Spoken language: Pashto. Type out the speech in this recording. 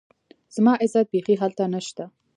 زما عزت بيخي هلته نشته